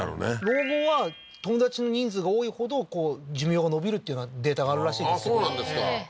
老後は友達の人数が多いほど寿命が延びるっていうようなデータがあるらしいですけどあっ